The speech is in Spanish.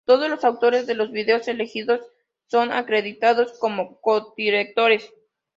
Todos los autores de los videos elegidos son acreditados como co-directores.